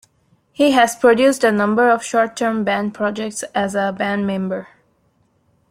He has produced a number of short-term band projects as a band member.